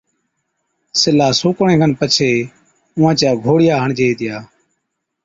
سِلها سُوڪڻي کن پڇي اُونهان چِيا گھوڙِيا هڻجي هِتِيا،